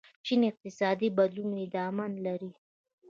چین اقتصادي بدلونونه ادامه لري.